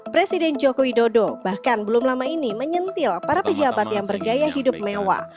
presiden joko widodo bahkan belum lama ini menyentil para pejabat yang bergaya hidup mewah